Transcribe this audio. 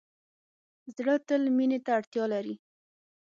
زړه تل مینې ته اړتیا لري.